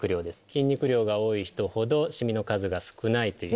筋肉量が多い人ほどシミの数が少ないという。